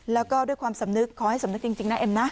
แล้วก็ด้วยความสำนึกขอให้สำนึกจริงนะเอ็มนะ